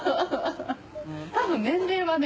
多分年齢はね